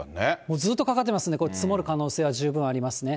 ずっとかかっていますので、積もる可能性は十分ありますね。